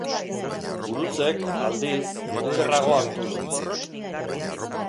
Gurutzek, aldiz, okerrago hartu du.